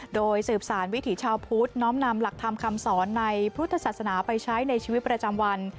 โดยสืบสารวิถีชาวพุทธน้อมนำหลักธรรมคำสอนในพุทธศาสนาไปใช้ในชีวิตประจำวัน